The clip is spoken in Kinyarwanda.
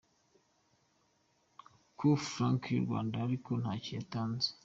Coup franc y’u Rwanda ariko ntacyo itanze.